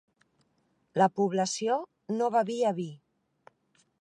La població no bevia vi.